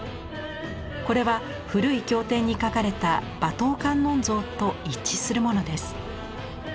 これは古い経典に書かれた馬頭観音像と一致するものです。